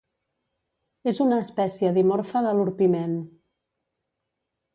És una espècie dimorfa de l'orpiment.